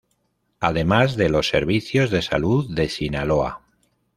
Además de los servicios de Salud de Sinaloa.